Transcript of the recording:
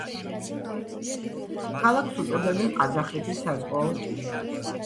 ქალაქს უწოდებენ ყაზახეთის „საზღვაო ჭიშკარს“.